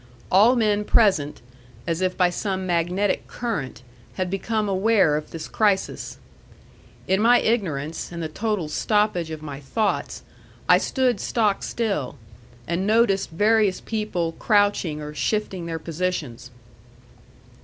All men present, as if by some magnetic current, had become aware of this crisis. In my ignorance, and the total stoppage of my thoughts, I stood stock still, and noticed various people crouching, or shifting their positions.